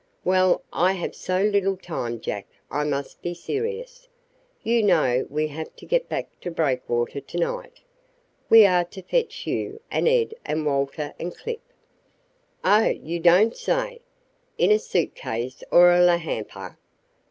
"Well, I have so little time, Jack, I must be serious. You know we have to get back to Breakwater to night. We are to fetch you, and Ed and Walter and Clip " "Oh, you don't say! In a suit case or a la hamper?